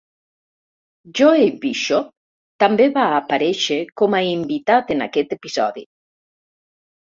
Joey Bishop també va aparèixer com a invitat en aquest episodi.